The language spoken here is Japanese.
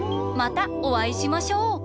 またおあいしましょう！